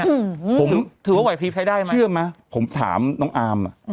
อืมผมถือว่าไหวพลิบใช้ได้ไหมเชื่อไหมผมถามน้องอามอ่ะ